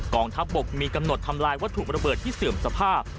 กองทัพบกมีกำหนดทำลายวัตถุระเบิดที่เสื่อมสภาพ